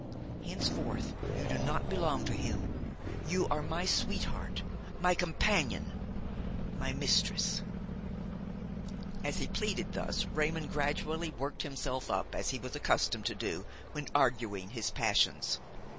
Henceforth you do not belong to him; you are my sweetheart, my companion, my mistress–" As he pleaded thus, Raymon gradually worked himself up, as he was accustomed to do when arguing his passions.